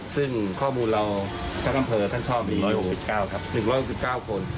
ซึ่งข้อมูลเราท่านท่านเพลินท่านชอบ๑๖๙คน